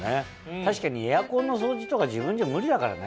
確かにエアコンの掃除とか自分じゃ無理だからね。